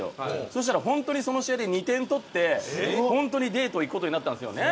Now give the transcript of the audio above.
そしたら本当にその試合で２点取って本当にデート行く事になったんですよね？